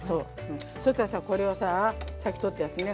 そしたらさこれをささっき取ったやつね。